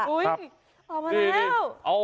อุ้ยออกมาแล้ว